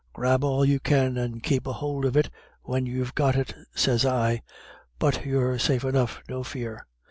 Grab all you can, and keep a hould of it when you've got it, sez I. But you're safe enough, no fear."